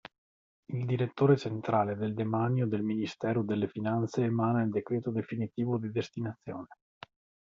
Il direttore centrale del demanio del Ministero delle finanze emana il decreto definitivo di destinazione.